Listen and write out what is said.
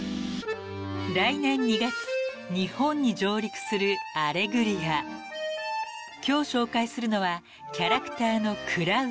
［来年２月日本に上陸する『アレグリア』］［今日紹介するのはキャラクターの］